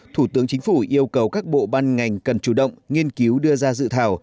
thủ tướng chính phủ yêu cầu các bộ ban ngành cần chủ động nghiên cứu đưa ra dự thảo